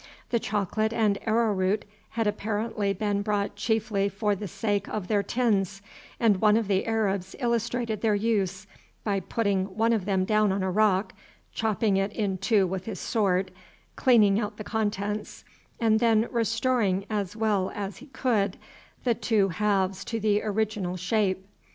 The chocolate and arrow root had apparently been brought chiefly for the sake of their tins, and one of the Arabs illustrated their use by putting one of them down on a rock, chopping it in two with his sword, cleaning out the contents, and then restoring as well as he could the two halves to the original shape.